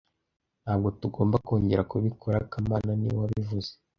Ntabwo tugomba kongera kubikora kamana niwe wabivuze